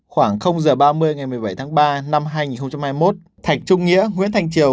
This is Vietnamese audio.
khoảng giờ ba mươi ngày một mươi bảy tháng ba năm hai nghìn hai mươi một thạch trung nghĩa nguyễn thành triều